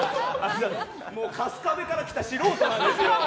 春日部から来た素人なんですよ